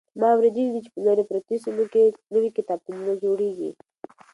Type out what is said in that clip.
ما اورېدلي دي چې په لرې پرتو سیمو کې نوي کتابتونونه جوړېږي.